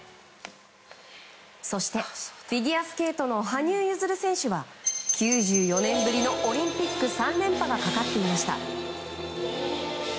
そして、フィギュアスケートの羽生結弦選手は、９４年ぶりのオリンピック３連覇がかかっていました。